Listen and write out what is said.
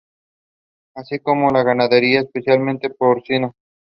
Así como la ganadería, especialmente porcina.